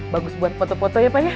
bagus buat foto foto ya pak ya